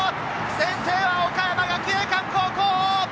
先制は岡山学芸館高校！